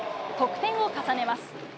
得点を重ねます。